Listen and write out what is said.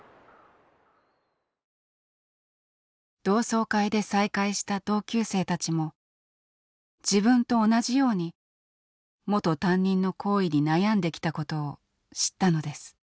同窓会で再会した同級生たちも自分と同じように元担任の行為に悩んできたことを知ったのです。